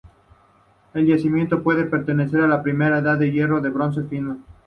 El yacimiento puede pertenecer a la Primera Edad del Hierro o al Bronce Final.